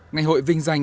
ngày hội vinh danh